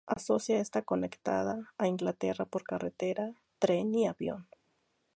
Escocia está conectada a Inglaterra por carretera, tren y avión.